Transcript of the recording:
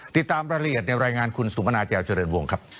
ติดตามรายละเอียดในรายงานคุณสุมนาแจวเจริญวงครับ